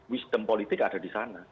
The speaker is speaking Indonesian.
wisdom politik ada di sana